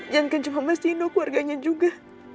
jangan cuma mas tino keluarganya juga